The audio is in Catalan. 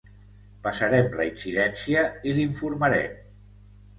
Passarem la incidència i l'informarem.